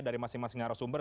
dari masing masing arah sumber